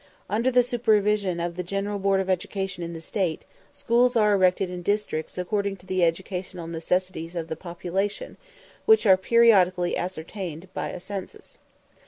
Under the supervision of the General Board of Education in the State, schools are erected in districts according to the educational necessities of the population, which are periodically ascertained by a census.